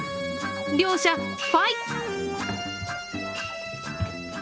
両者、ファイッ！